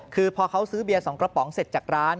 คือพอเขาซื้อเบียร์๒กระป๋องเสร็จจากร้าน